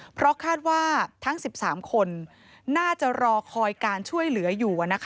เพราะคาดว่าทั้ง๑๓คนน่าจะรอคอยการช่วยเหลืออยู่